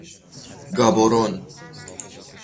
گابرون